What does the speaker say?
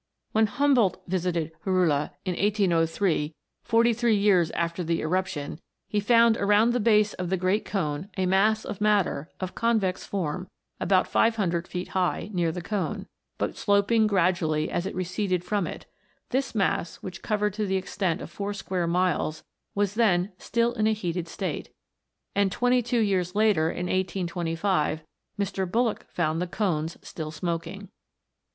When Humboldt visited Jorullo in 1803, forty three years after the eruption, he found around the base of the great cone a mass of matter, of convex form, about 500 feet high, near the cone, but sloping gradually as it receded from it; this mass, which covered to the extent of four square miles, was then still in a heated state. And twenty two years later, in 1825, Mr. Bullock found the cones still smoking.